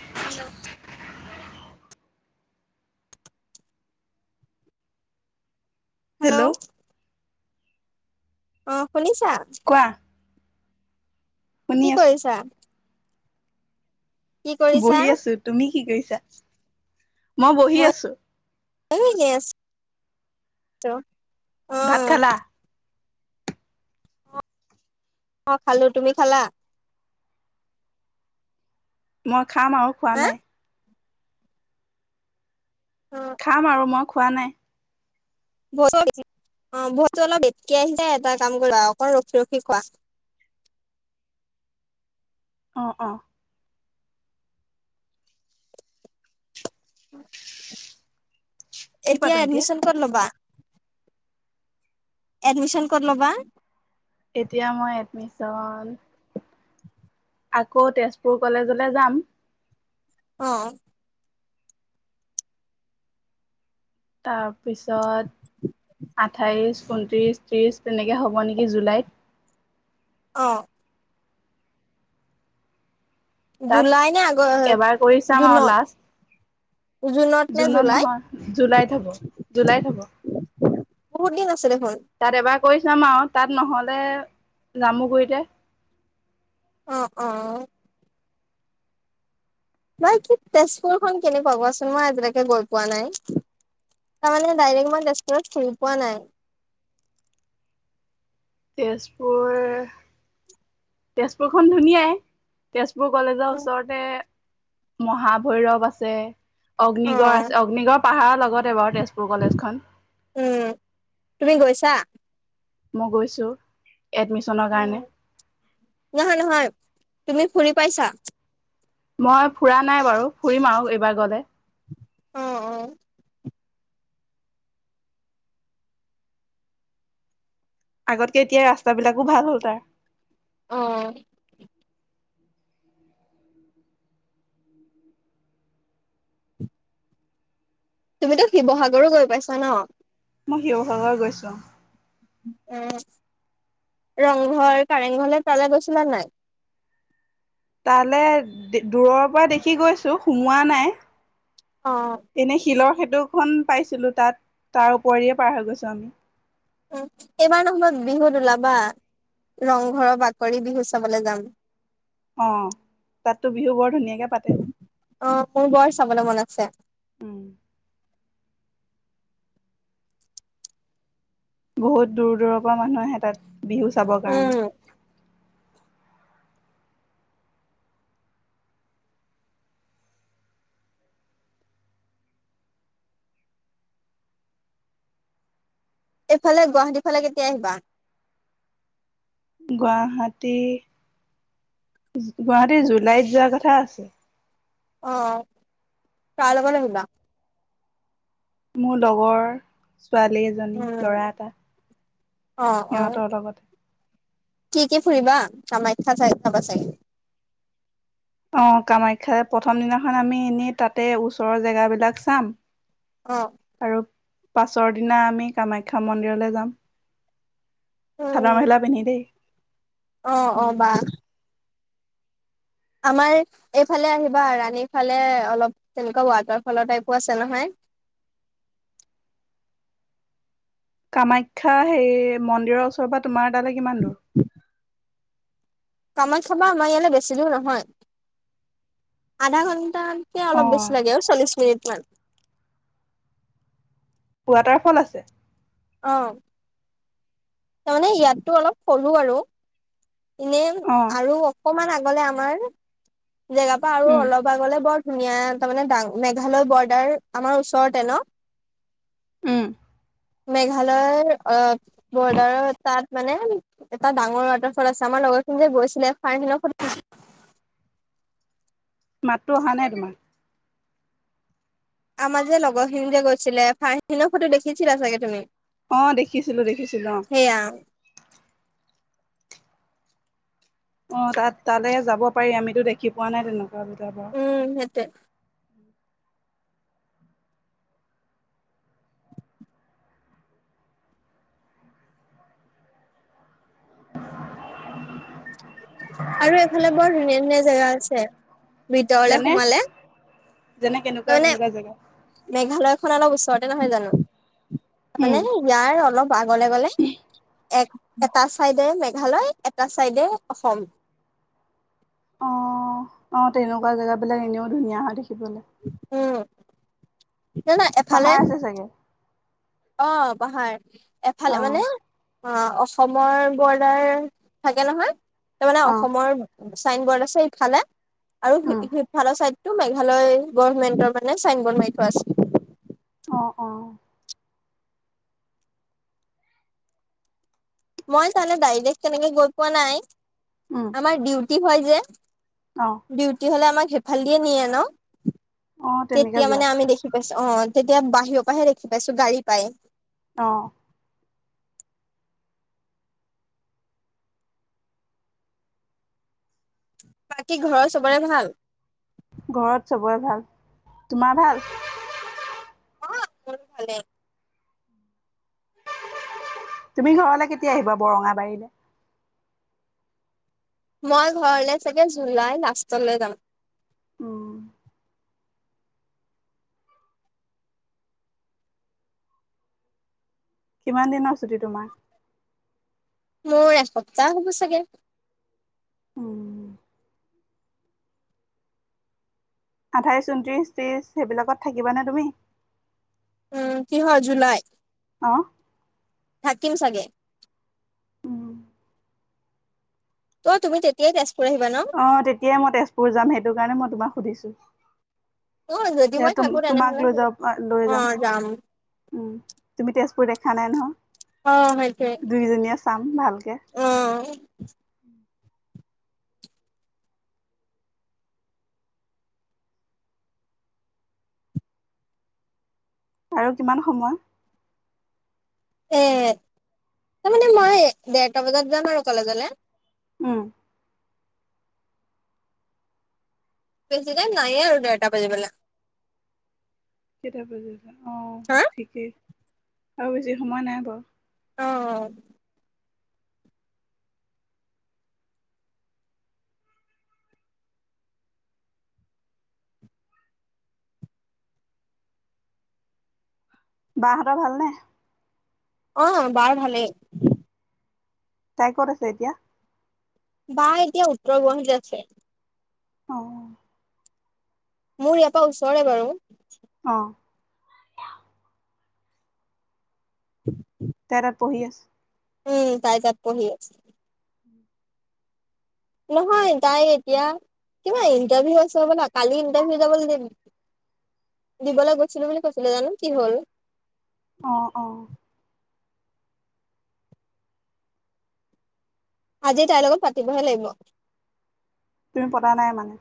[unintelligible] Hello অহ, শুনিছা। কোৱা শুনি কি আছো কৰিছা? কি কৰিছা বহি আছো, তুমি কি কৰিছা? মই বহি আছো। গেছ [inaudible] ত ভাত খালা? অ খালোঁ। তুমি খালা? মই খাম আৰু খোৱা হা নাই। অ খাম আৰু মই খোৱা নাই। ভ অ ভজটো [unintelligible] অলপ বেছিকে আহিছে এটা কাম কৰিবা, অকন ৰখি ৰখি খোৱা। অ অ। উম। কি এতিয়া পাতো এডমিশ্যন ক'ত ল'বা? এডমিশ্যন ক'ত ল'বা? এতিয়া মই এডমিশ্যন আকৌ তেজপুৰ কলেজলৈ যাম। অ। তাৰপিছত, আঠাইছ ঊনত্ৰিশ, ত্ৰিশ, তেনেকে হ'ব নেকি জুলাইত। অ। তাত জুলাই নে আগ এবাৰ কৰি চাম আৰু জুনত লাষ্ট। নে জুনত জুলাইত নহয়, জুলাইত হ'ব। জুলাইত হ'ব। বহুত দিন আছে দেখোন। কই চাম আৰু। তাত নহ'লে, জামুগুৰিতে অ অ। বাকি তেজপুৰখন কেনেকুৱা কোৱাচোন, মই আজিলৈকে গৈ পোৱা নাই। তাৰমানে ডাইৰেক্ট মই তেজপুৰত ফুৰি পোৱা নাই। [inaudible] তেজপুৰ, তেজপুৰখনন ধুনীয়াই তেজ পুৰ কলেজৰ ওচৰতে মহাভৈৰৱ আছে। অ অগ্নিগড় আছে, অগ্নিগড় পাহাৰৰ লগতে বাৰু তেজপুৰ কলেজখন। উম তুমি গৈছা? মই গৈছো এডমিশ্যনৰ কাৰণে। নহয় নহয় তুমি ফুৰি পাইছা? মই ফুৰা নাই বাৰু ফুৰিম আও এইবাৰ গ'লে। অহ অহ। আগতকে এতিয়া ৰাস্তাবিলাকো ভাল হ'ল তাৰ। অহ। তুমিতো শিৱসাগৰো গৈ পাইছা ন? মই শিৱসাগৰ গৈছো। অহ। ৰংঘৰ, কাৰেংঘৰলে তালে গৈছিলা নাই? তালে, দূৰৰ পৰা দেখি গৈছো সোমোৱা নাই। অ এনে শিলৰ ক্ষেত তুখন পাইছিলো তাত, তাৰ উপৰিয়ে পাৰ হৈ গৈছো আমি। উম এইবাৰ নহ'বা বিহুত ওলাবা। ৰংঘৰৰ বাকৰি বিহু চাবলে যাম। অ তাততো বিহু বৰ ধুনীয়াকে পাতে। অ মোৰ বৰ চাবলে মন আছে। উম। বহুত দূৰ দূৰৰ পৰা মানুহ আহে তাত বিহু চাবৰ কাৰণে। উম এইফালে গুৱাহাটীৰ ফালে কেতিয়া আহিবা? গুৱাহাটী গুৱাহাটী জুলাইত যোৱা কথা আছে। অ কাৰ লগত আহিবা। মোৰ লগৰ। ছোৱালী এজনী লৰা উম এটা অ অ সিহঁতৰ লগত। কি কি ফুৰিবা কামাখ্যা চাই চাবা চাই অ কামাখ্যাৰে প্ৰথম দিনাখন আমি এনেই তাতে ওচৰৰ জেগা বিলাক চাম। অ। আৰু পাছৰ দিনা আমি কামাখ্যা মন্দিৰলে যাম। চাদৰ উম মেখেলা পিন্ধি দেই। অ অ বা আমাৰ এইফালে আহিবা ৰাণীৰ ফালে অলপ তেনেকুৱা ৱাটাৰ ফলৰ টাইপো আছে নহয়। [unintelligible] কামাখ্যা সেই মন্দিৰৰ ওচৰৰ পৰা তোমাৰ তালৈ কিমান দূৰ। কামাখ্যা পৰা আমাৰ ইয়ালে বেছি দূৰ নহয়। এয়া অ' অলপ বেছি লাগে আৰু চল্লিছ মিনিট মান ৱাটাৰফল আছে। আহ তাৰমানে ইয়াতো অলপ সৰু আৰু। এনে অ' আৰু অকমান আগলে আমাৰ জেগাৰ পৰা আৰু উম অলপ আগলে বৰ। ধুনীয়া তাৰমানো মেঘালয় বৰ্ডাৰ আমাৰ ওচৰতে ন। উম। মেঘালয়ৰ অ বৰ্ডাৰৰ তাত মানে এটা ডাঙৰ ৱাটাৰ। চল আছে আমাৰ লগৰখিনি যে গৈছিলে ফাইনেল [unintelligible] মাতো অহা নাই তোমাৰ। আমাৰ যে লগৰখিনি যে গৈছিলে ফাইসিন ফটো দেখিছিলা চাগে তুমি? আহ দেখিছিলো দেখিছিলো অ। সেয়া অ তাত তালে যাব পাৰি আমিতো দেখি পোৱা নাই তেনেকুৱা বিলাক বাও। উম সেইটোৱে আৰু এইফালে বৰ ধুনীয়া ধুনীয়া জেগা আছে ভিতৰলে যেনে সোমালে। যেনে ত কেনেকুৱা মানে কেনেকুৱা জেগা মেঘালয় খন অলপ ওচৰত। নহয় জানো তাৰানে উম ইয়াৰ অলপ আগলে গলে এক এটা চাইডে মেঘালয় এটা চাইডে অসম। অ, অ তেনেকুৱা জেগাবিলাক এনেও ধুনীয়া হয় দেখিবলৈ। জানা এফালে। পাহাৰ আছে চাগে অ পাহাৰ অ এফালে মানে। অ অসমৰ বৰ্ডাৰ থাকে নহয় তা মানে অ অসমৰ চাইন বৰ্ড আছে সিফালে আৰু উম সিফালৰ চাইড তটো মেঘালয় গভমেন্টৰ মানে চাইন বদ মাৰি থোৱা আছে। আহ অ মই তানে ডাইৰেক্ট কেনেকে গৈ পোৱা নাই। উম আমাৰ ডিউটি হয় যে অ ডউটি হলে আমাক সিফালে দিয়ে নিয়ে ন। অ তেনেকে তেতিয়া যোৱা মানে আমি দেখি পাইছো অ তেতিয়া বাহিৰৰ পৰাহে দেখি পাইছো গাড়ী পাই। আহ বাকী ঘৰৰ চবৰে ভাল? ঘৰত চবৰে ভাল। তোমাৰ ভাল? অ মোৰ ভালে। তুমি ঘৰলৈ কেতিয়া আহিবা বৰঙা বাৰী। মই ঘৰলে চাগে জুলাই লাষ্টলে যাম। উম কিমান দিনৰ ছুটী তোমাৰ। মোৰ এসপ্তাহ হ'ব চাগে। উম আঠাইছ, ঊনত্ৰিছ, ত্ৰিশ সেইবিলাকত থাকিবানে তুমি। উম কিহৰ জুলাই। অ। থাকিম চাগে উম ত তুমি তেতিয়াই তেজ অ তেতিয়াই মই তেজপুৰ যাম সেইটো কাৰণে মই তোমাক সুধিছো অ যদি সেয়া মই থাকো তেনেহলে তোমাক লৈ যাম আ লৈ যাম উম তুমি তেজপুৰ দেখা নাই অ সেইটোৱে নহয় দুইজনীয়ে চাম ভালকে অ আৰু কিমান সময় এ তাৰমানে মই ডেৰটা বজাত যাম আৰু কলেজলে উম, বেছি টাইম নাইয়ে আৰু ডেৰটা বাজি বলে কেইটা বাজিছে অ' ঠিকেই আৰু বেছি সময় নাই বাৰু অ', অ', বাহতৰ ভালনে অহ বাৰ ভালেই। তাই ক'ত আছে এতিয়া? তাই এতিয়া উত্তৰ গুৱাহাটীত আছে অহ। মোৰ ইয়াৰ পা ওচৰে বাৰু। অ, [unintelligible] [inaudible] তাই তাত পঢ়ি আছে উম তাই তাত পঢ়ি আছে। নহয় তাই এতিয়া কিবা ইণ্টাৰভিউ আছে হবলা কালি ইণ্টাৰভিউ যাবলৈ দিম। দিবলে গৈছিলো বুলি কৈছিলে জানো কি হ'ল? অহ অঁ। আজি তাইৰ লগত পাতিবহে লাগিব তুমি পতা নাই মানে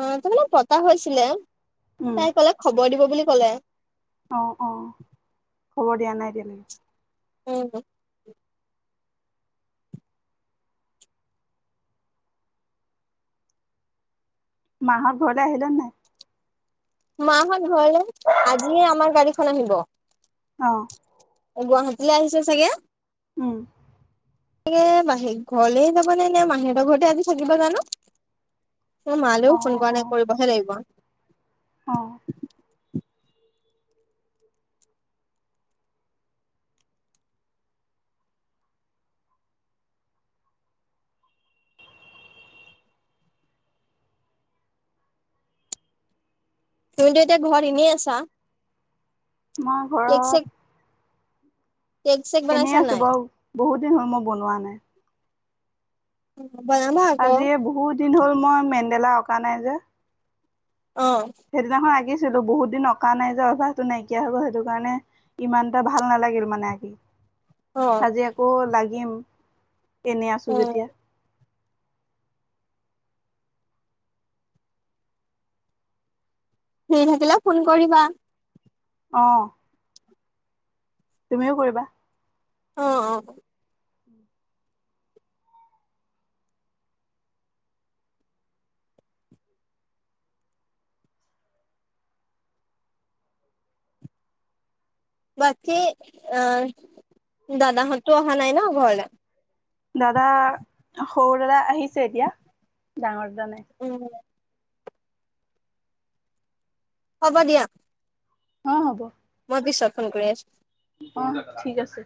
অ' তাৰমানে পতা হৈছিলে উম তাই কলে খবৰ দিব বুলি ক'লে অ অ খবৰ দিয়া নাই এতিয়ালৈকে উম। মাহঁত ঘৰলে আহিলে নে নাই? মাহত ঘৰলে আজিয়ে আমাৰ গাড়ীখন আহিব। অঁ। গুৱাহাটীলে আহিছে চাগে? উম। [unintelligible] বাহে ঘৰলে যাব নে নে মাহিহঁতৰ ঘৰতে আজি থাকিব জানো? মোৰ অ মালেও ফোন কৰা অ নাই কৰিবহে লাগিব অ', তুমিত এতিয়া ঘৰ এনেই আছা মাৰ কেক চেক ঘৰত কেক চেক এনেই বনাইছা আছো নাই বাৰু বহুত দিন হল মই বনোৱা নাই বনাবা আকৌ আজি এ বহুত দিন হ'ল মই মেণ্ডেলা অঁকা নাই যে। অ সেইদিনাখন আকিছ ছিলো বহুত দিন অকা নাই যে অভ্যাসটো নাইকিয়া হৈ গল সেইটো কাৰণে ইমান এটা ভাল নালাগিল মানে আকি অ আজি আকৌ লাগিম এনেই আছোঁ অ যেতিয়া। ফ্ৰি থাকিলে ফোন কৰিবা অ' তুমিও কৰিবা। অ অ বাকী আহ দাদাহঁতো অহা নাই ন ঘৰলৈ দাদা সৰু দাদা আহিছে এতিয়া ডাঙৰ দাদা নাই উম হ'ব দিয়া অ হ'ব [unintelligible] কৰি আছো অ ঠিক আছে